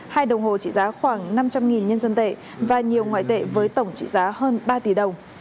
hai đồng hồ trị giá khoảng năm trăm linh nhân dân tệ và nhiều ngoại tệ với tổng trị giá hơn ba tỷ đồng